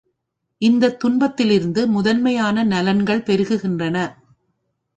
இந்தத் துன்பத்திலிருந்து முதன்மையான நலன்கள் பெருகுகின்றன.